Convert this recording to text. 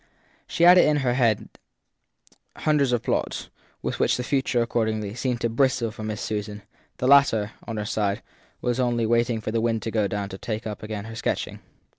7 She had in her 246 THE THIED PEESON head hundreds of plots with which the future, accordingly, seemed to bristle for Miss Susan. The latter, on her side, was only waiting for the wind to go down to take up again her sketching.